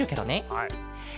はい。